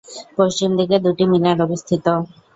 পশ্চিম দিকে দুটি মিনার অবস্থিত।